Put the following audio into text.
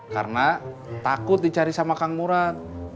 karena takut dicari sama kang murad